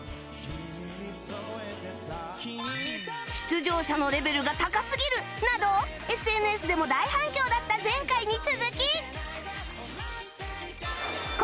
出場者のレベルが高すぎるなど ＳＮＳ でも大反響だった前回に続き